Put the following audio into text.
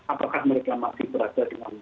apakah mereka masih berada dengan tahanan ini